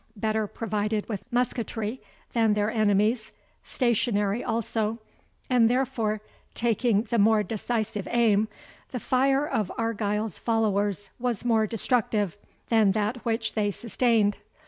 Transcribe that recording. Better provided with musketry than their enemies, stationary also, and therefore taking the more decisive aim, the fire of Argyle's followers was more destructive than that which they sustained.